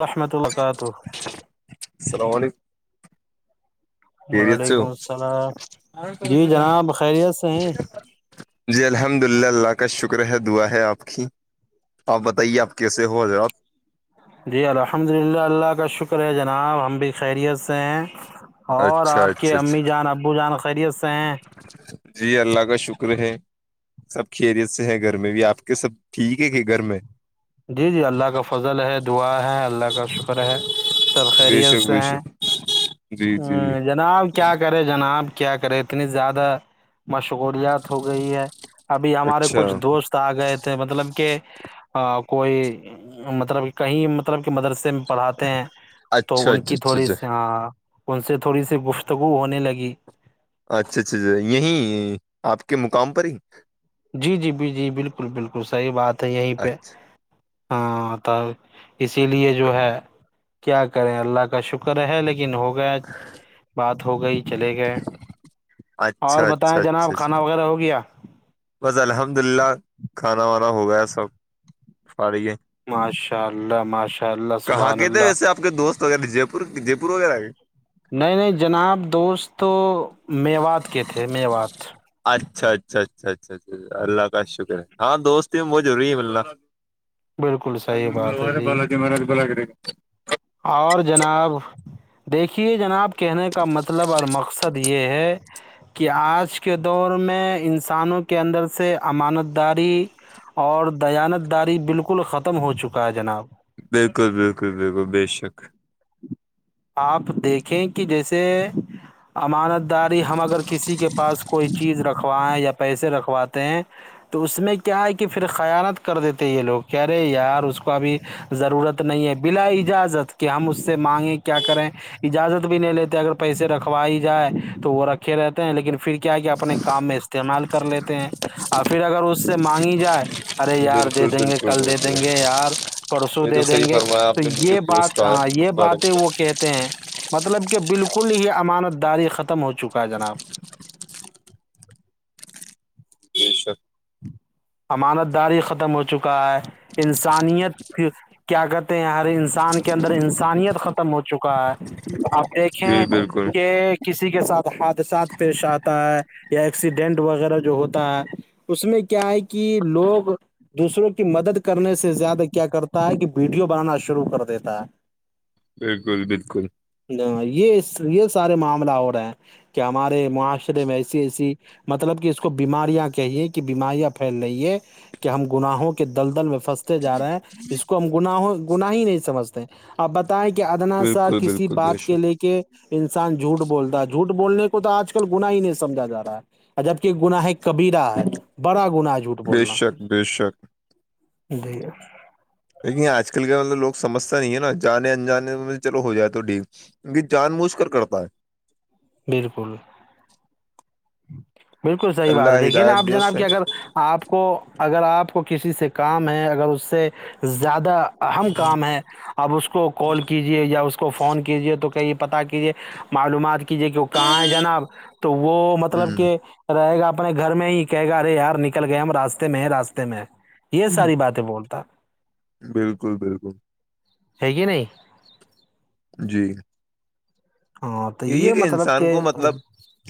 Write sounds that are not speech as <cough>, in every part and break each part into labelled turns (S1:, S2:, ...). S1: ورحمۃ وبرکاتہ
S2: السلام علیکم خیریت سے
S1: وعلیکم
S2: ہو
S1: السلام جی جناب خیریت سے ہیں
S2: جی الحمد للہ اللہ کا شکر ہے دعا ہے آپ کی آپ بتائیے آپ کیسے ہو جناب
S1: جی الحمد للہ اللہ کا شکر ہے جناب ہم بھی خیریت سے ہیں اور
S2: اچھا
S1: آپ کے
S2: اچھا اچھا
S1: امی جان ابو جان خیریت سے ہیں
S2: جی اللہ کا شکر ہے سب خیریت سے ہے گھر میں بھی آپ کے سب ٹھیک ہے کہ گھر میں
S1: جی جی اللہ کا فضل ہے دعا ہے اللہ کا شکر ہے سب
S2: بے
S1: خیریت
S2: شک
S1: سے
S2: بے
S1: ہیں
S2: شک جی جی
S1: ہ جناب کیا کرے جناب کیا کرے اتنی زیادہ مشغولیات ہو گئی ہے ابھی ہمارے
S2: اچھا
S1: کچھ دوست آ گئے تھے مطلب کہ کوئی مطلب کہیں مطلب کہ مدرسے میں پڑھاتے ہیں تو
S2: اچھا
S1: ان
S2: اچھا
S1: کی
S2: اچھا
S1: تھوڑی
S2: اچھا
S1: س ان سے تھوڑی سی گفتگو ہونے لگی
S2: اچھا اچھا اچھا یہی آپ کے مقام پر ہی
S1: جی جی ج جی بالکل بالکل صحیح بات ہے یہیں پہ
S2: اچھا
S1: ہاں اسی لیے جو ہے کیا کریں اللہ کا شکر ہے لیکن ہو ہو گیا بات ہو گئی چلے گئے
S2: اچھا
S1: اور
S2: اچھا
S1: بتائیں
S2: اچھا
S1: جناب
S2: اچھا
S1: کھانا وغیرہ ہو گیا
S2: بس الحمد للہ کھانا وانا ہو گیا سب فارغ ہے
S1: ماشاء اللہ ماشاء اللہ
S2: کہاں
S1: سبحان
S2: گ تھے
S1: اللہ
S2: ویسے آپ کے دوست وغیرہ جے پور جے پور وغیرہ کے
S1: نہیں نہیں جناب دوست تو میوات کے تھے میوات
S2: اچھا اچھا اچھا اچھا اچا اللہ کا شکر ہے ہاں دوستی ہیں وہ ضروری ہے ملنا
S1: بالکل صحیح بات ہے جی
S2: <unintelligible>
S1: اور جناب دیکھیے جناب کہنے کا مطلب اور مقصد یہ ہے کہ آج کے دور میں انسانوں کے اندر سے امانت داری اور دیانت داری بالکل ختم ہو چکا ہے جناب
S2: بالکل بالکل بالکل بے شک
S1: آپ دیکھیں کہ جیسے امانت داری ہم اگر کسی کے پاس کوئی چیز رکھوائیں یا پیسے رکھواتے ہیں تو اس میں کیا ہے کہ پھر خیانت کر دیتے یہ لوگ کہہ رہے ہیں یار اس کو ابھی ضرورت نہیں ہے بلا اجازت کہ ہم اس سے مانگیں کیا کریں اجازت بھی نہیں لیتے اگر پیسے رکھوائی جائے تو وہ رکھے رہتے ہیں لیکن پھر کیا ہے کیا اپنے کام میں استعمال کر لیتے ہیں اور پھر اگر اس سے مانگی جائے ارے یار دے
S2: بالکل
S1: دیں گے
S2: بالکل
S1: کل دے دیں
S2: بالکل
S1: گے یار پرسوں
S2: یہ تو
S1: دے
S2: صحیح
S1: دیں گے
S2: فرمایا
S1: تو
S2: آپ نے
S1: یہ
S2: بالکل درست
S1: بات
S2: کہا
S1: ہاں
S2: ہے
S1: یہ
S2: اس بارے
S1: باتیں
S2: میں
S1: وہ کہتے ہیں مطلب کہ بالکل ہی امانت داری ختم ہو چکا ہے جناب
S2: <unintelligible>
S1: امانت داری ختم ہو چکا ہے انسانیت کی کیا کہتے ہیں ہر انسان کے اندر انسانیت ختم ہو چکا ہے آپ دیکھیں
S2: جی بالکل
S1: کہ کسی کے ساتھ حادثات پیش آتا ہے یا ایکسیڈینٹ وغیرہ جو ہوتا ہے اس میں کیا ہے کہ لوگ دوسروں کی مدد کرنے سے زیادہ کیا کرتا ہے کہ ویڈیو بنانا شروع کر دیتا ہے رہ
S2: بالکل بالکل
S1: ج یہ یہ سارے معاملہ ہو رہے ہیں کہ ہمارے معاشرے میں ایسی ایسی مطلب کہ اس کو بیماریاں کہیے کہ بیماریاں پھیل رہے کہ ہم گناہوں کے دل دل میں پنستے جا رہے ہیں اس کو ہم گناہوں گناہ ہی نہیں سمجھتے ہے آپ بتائیں کہ ادنا سا
S2: بالکل
S1: کسی
S2: بالکل بے
S1: بات کے
S2: شک
S1: لے کے انسان جھوٹ بولتا ہے جھوٹ بولنے کو تو آج کل گنااہ ہی نہیں سمجھا جا رہا ہے جبک گناہ کبھییرا ہے بڑا کو نہ جھوٹ
S2: بے
S1: بولنا
S2: شک بے شک
S1: د
S2: لیکن آج کل کا مطلب لوگ سمجتا نہیں ہے نا جانے انجانے میں چلو ہو جائے تو ٹھیک کی جان موجھ کر کرتا ہے
S1: بالکل بالکل صحیح بات ہے
S2: اللہ
S1: دیکھیے نا آپ
S2: ہدایت دے
S1: جناب
S2: اسے
S1: کہ اگر آپ کو اگر آپ کو کسی سے کام ہے اگر اس سے زیادہ اہم کام ہے اپ اس کو کال کیجیے یا اس کو فون کیجیے تو کئی پتا کیجیے معلومات کیجیے کہ وہ کہاں ہے جناب تو وہ مطلب کہ رہے گا اپنے گھر میں ہی کہے گا ارے یار نکل گئے ہم راستے میں ہے راستے میں یہ
S2: ہوں
S1: ساری بات بولتا
S2: بالکل بالکل
S1: ہے گ نہیں
S2: جی
S1: ہاں تو
S2: یہی ہے
S1: یہ
S2: کہ
S1: مطلب
S2: انسان کو مطلب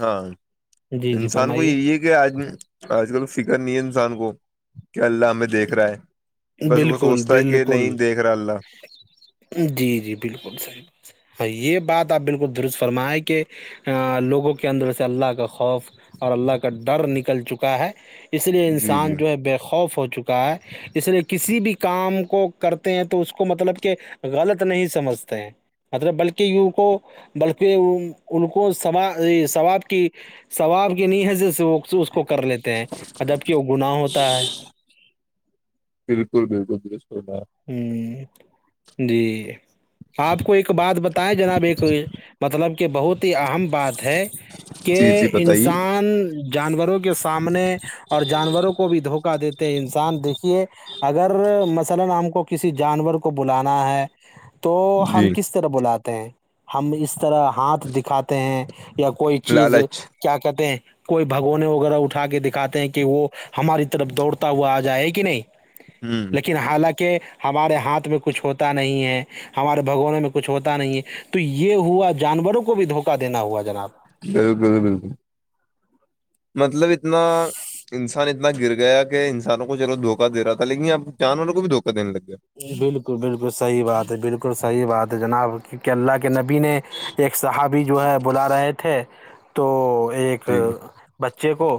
S2: ہاں
S1: جی جی
S2: انسان کو
S1: فرمائیے
S2: یہی ہے کہ آج آج کل فکر نہیں ہے انسان کو کہ اللہ ہمیں دیکھ رہا ہے بس وہ
S1: بالکل
S2: سوچتا ہے کہ نہیں
S1: بالکل
S2: دیکھ رہا اللہ
S1: جی جی بالکل صحیح ہاں یہ بات آپ بالکل درست فرمائیں کہ لوگوں کے اندر سے اللہ کا خوف اور اللہ کا ڈر نکل چکا ہے اس لیے
S2: جی جی
S1: انسان جو ہے بے خوف ہو چکا ہے اس لیے کسی بھی کام کو کرتے ہیں تو اس کو مطلب کہ غلط نہیں سمجھتے ہیں مطلب بلکہ ی کو بلکہ ان کوا ثواب کی ثواب کے نہیں ہے جی سے وہ اس کو کر لیتے ہیں ا جب کہ وہ گناہ ہوتا ہے
S2: بالکل بالکل بالکپ
S1: ہوں جی آپ کو ایک بات بتائے جناب ایک مطلب کہ بہت ہی اہم بات ہے کہ
S2: جی جی بتائیے
S1: انسان جانوروں کے سامنے اور جانوروں کو بھی دھوکہ دیتے ہیں انسان دیکھیے اگر مسالا نام کا کو کسی جانور کو بلانا ہے تو ہم
S2: جی
S1: کس طرح بلاتے ہیں ہم اس طرح ہاتھ دکھاتے ہیں یا کوئی چیز
S2: لالچ
S1: کیا کہتے ہیں کوئی بھگونے وغیرہ اٹھا کے دکھاتے ہیں کہ وہ ہماری طرف دوڑتا ہوا آ جائے کہ نہیں
S2: ہوں
S1: لیکن حالانکہ ہمارے ہاتھ میں کچھ ہوتا نہیں ہے ہمارے بھگوانوں میں کچھ ہوتا نہیں ہے تو یہ ہوا جانوروں کو بھی دھوکا دینا ہوا جناب
S2: بالکل بالکل مطلب اتنا انساننا اتنا گر گیا کہ انسانوں کو چلو دھوکا د رہا تھا لیکن اب چاند والوں کو بھی دھوکا دینے لگ گیا
S1: بالکل بالکل صحیح بات ہے بالکل صحیح بات ہے جناب کی کہ اللہ کے نبی نے ایک صاحابی جو ہے بلا رہے تھے تو ایک
S2: جی
S1: بچے کو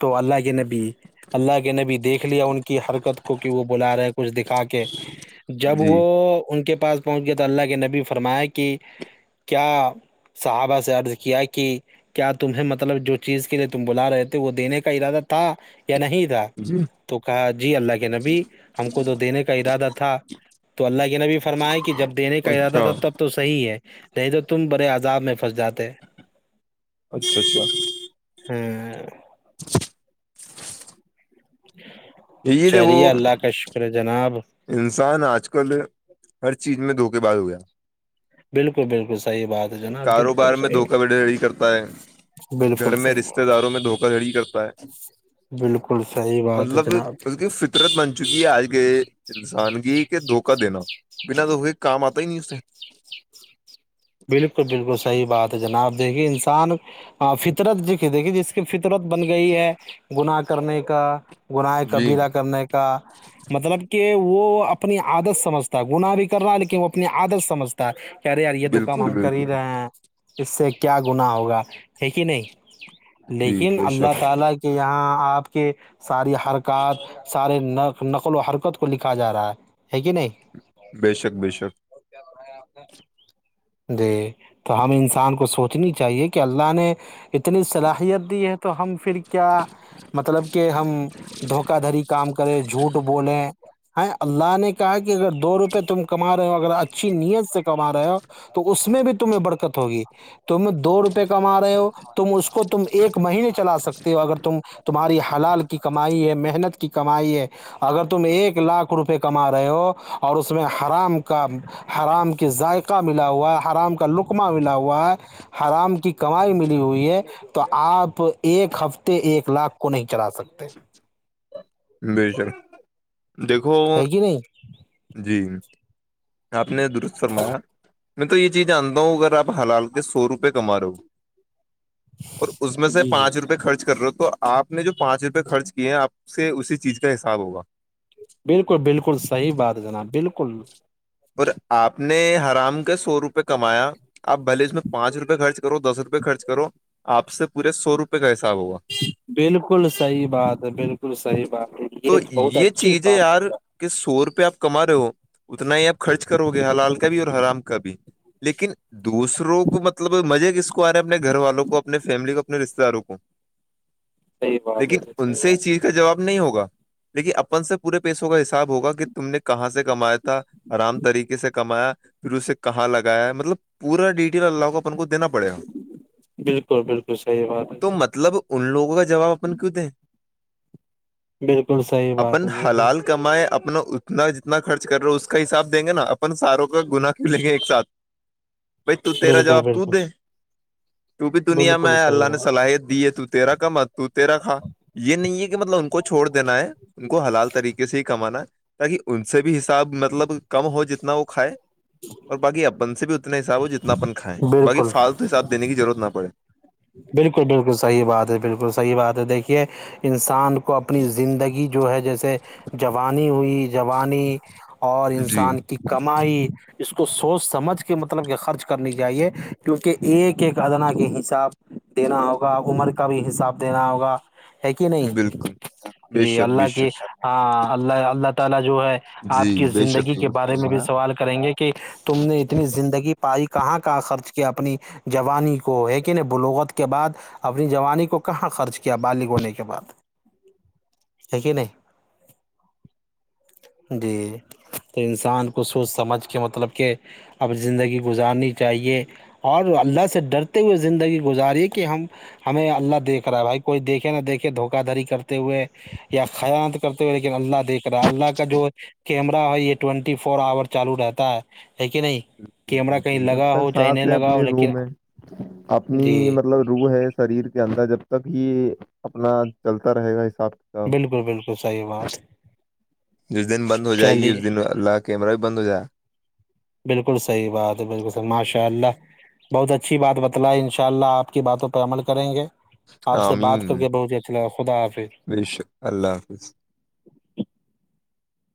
S1: تو اللہ کے نبی اللہ کے نبی تو دیکھ لیا ان کی حرکت کو کہ وہ بلا رہے کچھ دکھا کے جب
S2: جی
S1: وہ ان کے پاس پہنچ گیا تو اللہ کے نبی فرمایا کہ کیا صحابہ سے عرض کیا کہ کیا تمہیں مطلب جو چیز کے لیے تم بلا رہے تھے وہ دینے کا ارادہ تھا یا نہیں تھا
S2: جی
S1: تو کہا جی اللہ کے نبی ہم کو تو دینے کا ارادہ تھا تو اللہ کے نبی فرمایا کہ جب دینے کا ارادہ
S2: اچھا
S1: تھا تب تو صحیح ہے رہ تو تم بڑے عذاب میں پھنس جاتے
S2: اچھا اچھا
S1: ہوں
S2: <inaudible> یہ دیکھو
S1: چلیے اللہ کا شکر ہے جناب
S2: انسان آج کل ہر چیز میں دھوکے باز ہو گیا
S1: بالکل بالکل صحیح بات ہے جناب بالکل
S2: کاروبار میں
S1: صحی
S2: دھوکہ دھڑی کرتا ہے گھر میں رشتے داروں میں دھوکا دھڑی کرتا ہے
S1: بالکل صحی بات ہے جناب
S2: قدرت بن چکی ہے آج کے انسان کی کہ دھوکا دین بنا دکے کے کام آتا ہی نہیں اس
S1: بالکل بالکل صحیح بات ہے جناب دیکھیے انسان فطرت د دیکھیے جس کی فطرت بن گئی ہے گناہ کرنے کا گناہ
S2: جی
S1: قبراہ کرنے کا مطلب کہ وہ اپنی عادت سمجھتا ہے گناہ بھی کر رہا ہے لیکن وہ اپنی عادت سمجھتا کہہ رہے ار یہ تو کام
S2: بالکل
S1: ہم کر ہی
S2: بالکل
S1: رہے ہیں اس سے کیا گنااہ ہوگا ہے کہ نہیں
S2: جی
S1: لیکن
S2: بے
S1: اللہ
S2: شک
S1: تعالی کے کہ یہاں آپ کے ساری حرکات سارے نق نقل و حرکت کو لکھا جا رہا ہے کہ نہیں
S2: بے شک بے شک
S1: کیا ہو رہا ہے آپ نے <unintelligible> جی تو ہم انسان کو سوچنی چاہیے کہ اللہ نے اتنی صلاحیت دی ہے تو ہم پھر کیا مطلب کہ ہم دھوکا دھڑی کام کریں جھوٹ بولیں ہیں اللہ نے کہا کہ اگر دو روپئے تم کما رہے ہو اگر اچھی نیت سے کما رہے ہو تو اس میں بھی تمہیں برکت ہوگی تم دو روپئے کما رہے ہو تم اس کو تم ایک مہینے چلا سکتے ہو اگر تم تمہاری حلال کی کمائی ہے محنت کی کمائی ہے اگر تم ایک لاکھ روپئے کما رہے ہو اور اس میں حرام کا حرام کے ذائقہ ملا ہوا ہے حرام کا لقمہ ملا ہوا ہے حرام کی کمائی ملی ہوئی ہے تو آپ ایک ہفتے ایک لاکھ کو نہیں چلا سکتے
S2: بےشر دیکھو
S1: ہے کہ نہیں
S2: جی آپ نے درست فرمایا میں تو یہ چیز آتا ہوں اگر آپ حلال کے سو روپ کما رہا ہو اور اس میں سے
S1: جی جی
S2: پانچ روپئے خرچ کر رہے ہو تو آپ نے جو پانچ روپئے خرچ کیے ہیں آپ سے اسی چیز کا حساب ہوگا
S1: بالکل بالکل صحی بات جناب بالکل
S2: اور آپ نے حرام کے سو روپئے کمایا آپ بھلے اس میں پانچ روپے خرچ کرو دس روپئے خرچ کرو آپ سے پورے سو روپئے کا حساب ہوگا
S1: بالکل صحیح بات ہے بالکل صحیح بات ہے
S2: تو
S1: یہ بہت اچھی
S2: چیزیں
S1: بات
S2: یار
S1: ہے
S2: کہ سو روپئے آپ کما رہے ہو اتنا ہی آپ خرچ کرو گے حلال کا بھی اور حرام کا بھی لیکن دوسروں کو مطلب مزہ کس کو ار ہے اپنے گھر والوں کو اپنے فیملی کو اپنے رشتے داروں کو
S1: صحیح بات ہے
S2: لیکن ان
S1: جی
S2: سے اس چیز کا جواب نہیں ہوگا لیکن اپن سے پورے پیسوں کا حساب ہوگا کہ تم نے کہاں سے کمایا تھا آرام طریقے سے کمایا پھر اسے کہاں لگایا مطلب پورا ڈیٹیل اللہ کو کو دینا پڑے گ
S1: بالکل بالکل صحیح بات ہے
S2: تو
S1: جی
S2: مطلب ان لوگوں کا جواب اپن کیوں دیں
S1: بالکل صحی
S2: اپن حلال کمائے اپنا اتنا جتنا خرچ کر رہے ہو اس کا حساب دیں گے نا اپن ساروں کا گنا کیوں لیں گے ایک ساتھ بھائی ت تیرا
S1: بالکل
S2: جاب ت دے
S1: بالکل
S2: تو بھی دنیا میں
S1: بالکل
S2: آ
S1: صحیح
S2: اللہ نے
S1: بات
S2: صلاحیت دی ہے تو تیرا کمت تو تیرا کھا یہ نہیں ہے کہ مطلب ان کو چھوڑ دینا ہے ان کو حلال طریقے سے ہی کمانا ہے تاکہ ان سے بھی حساب مطلب کم ہو جتنا وہ کھائے اور باقی اپن سے بھی اتنا حساب ہو جتنا اپن کھائیں باقی
S1: بالکل
S2: فالتو حساب دینے کی ضرورت نہ پڑے
S1: بالکل بالکل صحیح بات ہے بالکل صحیح بات ہے دیکھیے انسان کو کو اپنی زندگی جو ہے جیسے جوانی ہوئی جوانی اور
S2: جی
S1: انسان کی کمائی اس کو سوچ سمجھ کے مطلب کہ خرچ کرنی چاہیے کیونکہ ایک ایک ادنا کے حساب دینا ہوگا عمر کا بھی حساب دینا ہوگا ہے کہ نہیں
S2: بالکل بے
S1: جی
S2: شک
S1: اللہ
S2: بے
S1: کی
S2: شک
S1: ہاں اللہ اللہ تعالی جو ہے آپ
S2: جی
S1: کی
S2: بے
S1: زندگی
S2: شک
S1: کے
S2: درست
S1: بارے میں بھی
S2: فرمایا
S1: سوال کریں گے کہ تم نے اتنی زندگی پائی کہاں کہاں خرچ کیا اپنی جوانی کو ہے کہ نہیں بلوغت کے بعد اپنی جوانی کو کہاں خرچ کیا بالغ ہونے کے بعد ایکیک ہی نہیں جی تو انسان کو سوچ سمجھ کے مطلب کہ اب زندگی گزارنی چاہیے اور اللہ سے ڈرتے ہوئے زندگی گزاری کہ ہمیں اللہ دیکھ رہا ہے بھائی کوئی دیکھے نہ دیکھے دھوکہ دھڑی کرتے ہوئے یا خیاانات کرتے ہوئے لیکن اللہ دیکھ رہا ہے اللہ کا جو کیمرا ہے یہ ٹوینٹی فور آور چالو رہتا ہے ہے کہ نہیں کیمرہ کہیں
S2: بالکل جب
S1: لگا
S2: تک
S1: ہو چاہے
S2: سانس
S1: نہیں
S2: ہے
S1: لگا
S2: اپنی
S1: ہو
S2: روح
S1: لیکن
S2: میں
S1: جی
S2: اپنی مطلب رو ہے شریر کے اندر جب تک ہی اپنا چلتا رہے گا حساب تو
S1: بالکل بالکل صحیح بات
S2: جس دن بند ہو جائے گی
S1: چلیے
S2: اس دن اللہ کیمرہ بھی بند ہو جائے
S1: بالکل صحیح بات ہے بالکلحح ماشاء اللہ بہت اچھی بات بتلائے ان شاء اللہ آپ کی باتوں پہ عمل کریں گے آپ
S2: گا۔
S1: سے بات کر
S2: آمین
S1: کے بہت ہی اچھا لگا خدا حافظ
S2: بے شک اللہ حافظ